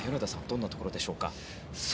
どんなところでしょうか。